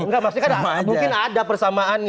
mungkin ada persamaan